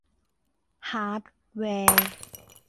ฮาร์ดแวร์